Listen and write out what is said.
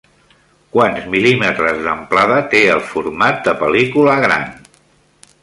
Quants mil·límetres d'amplada té el format de pel·lícula gran?